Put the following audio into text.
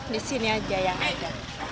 di sini aja yang ada